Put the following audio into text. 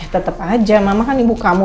tetep aja mama kan ibu kamu